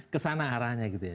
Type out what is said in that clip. kesana arahnya gitu ya